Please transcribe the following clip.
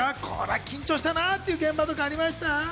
これ緊張したなという現場ありました？